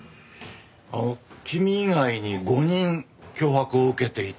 あの君以外に５人脅迫を受けていたとか？